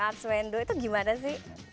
asmendo itu gimana sih